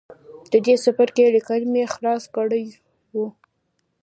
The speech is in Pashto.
د دې څپرکي ليکل مې خلاص کړي وو.